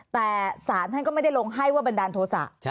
แต่ศาลท่านก็ไม่ได้ลงให้ว่าบันดาลโทษะ